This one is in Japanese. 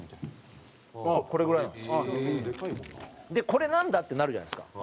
これなんだ？ってなるじゃないですか。